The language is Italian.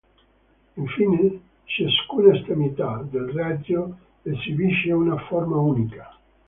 Infine, ciascuna estremità del raggio esibisce una forma unica.